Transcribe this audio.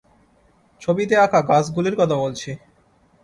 ছবিতে আঁকা গাছগুলির কথা বলছি।